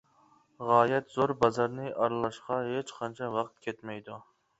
غايەت زور بازارنى ئارىلاشقا ھېچقانچە ۋاقىت كەتمەيدۇ.